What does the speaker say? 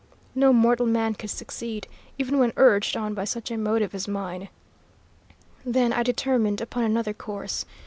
No mortal man could succeed, even when urged on by such a motive as mine. "Then I determined upon another course.